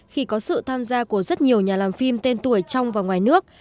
khi có sự tham gia của rất nhiều nhà làm phim tên tuổi trong và ngoài nước